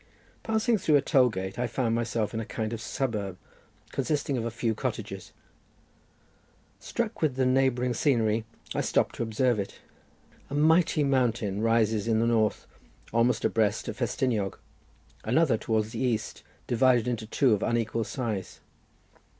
Passing through a toll gate I found myself in a kind of suburb consisting of a few cottages. Struck with the neighbouring scenery, I stopped to observe it. A mighty mountain rises in the north almost abreast of Festiniog; another towards the east divided into two of unequal size.